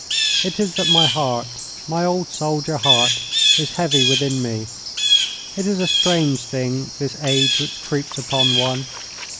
It is that my heart, my old soldier heart, is heavy within me. It is a strange thing, this age which creeps upon one.